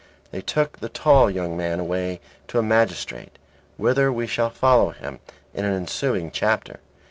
They took the tall young man away to a magistrate, whither we shall follow him in an ensuing chapter.